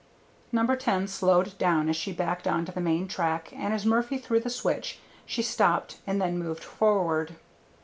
No. 10 slowed down as she backed on to the main track, and as Murphy threw the switch she stopped and then moved forward.